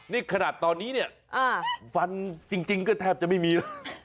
นี่ขนาดตอนนี้ฟันจริงก็แทบจะไม่มี